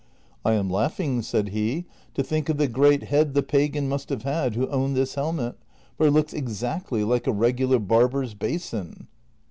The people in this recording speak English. '' I am laughing," said he, '' to think of the great head the pagan must have had who owned this helmet, for it looks exactly like a regular barber's basin."